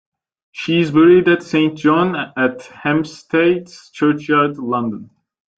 She is buried at Saint John-at-Hampstead's churchyard, London.